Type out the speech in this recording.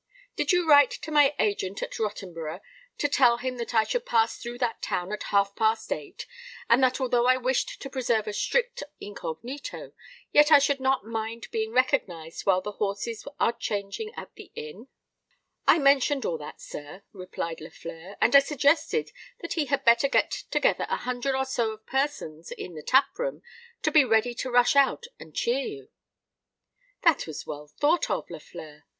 "Did you write to my agent at Rottenborough to tell him that I should pass through that town at half past eight, and that although I wished to preserve a strict incognito, yet I should not mind being recognised while the horses are changing at the inn?" "I mentioned all that, sir," replied Lafleur; "and I suggested that he had better get together a hundred or so of persons in the tap room, to be ready to rush out and cheer you." "That was well thought of, Lafleur.